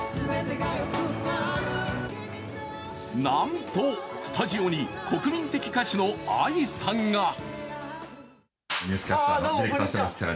なんと、スタジオに国民的歌手のＡＩさんが。